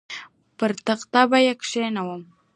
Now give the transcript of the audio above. پر تخت به یې کښېنوم.